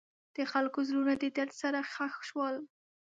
د خلکو زړونه د درد سره ښخ شول.